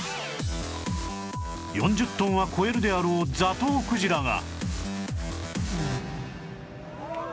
４０トンは超えるであろうザトウクジラが